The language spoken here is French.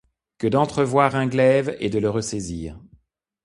Que d'entrevoir un glaive et de le ressaisir ;